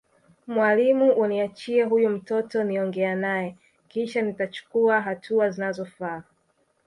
mwalimu uniachie huyu mtoto niongea naye kisha nitachukua hatua zinazofaa